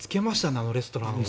あのレストランを。